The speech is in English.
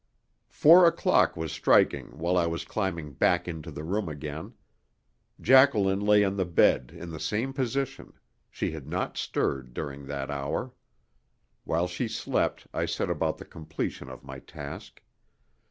Four o'clock was striking while I was climbing back into the room again. Jacqueline lay on the bed in the same position; she had not stirred during that hour. While she slept I set about the completion of my task.